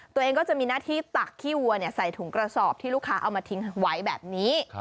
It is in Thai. ตัวเองก็จะมีหน้าที่ตักขี้วัวใส่ถุงกระสอบที่ลูกค้าเอามาทิ้งไว้แบบนี้